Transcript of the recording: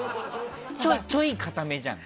ちょい固めじゃん。